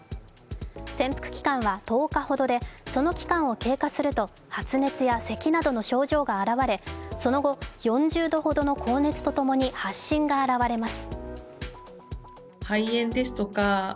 潜伏期間は１０日ほどでその期間を経過すると発熱やせきなどの症状が現れその後、４０度ほどの高熱とともに発疹が現れます。